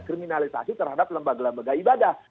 kriminalisasi terhadap lembaga lembaga ibadah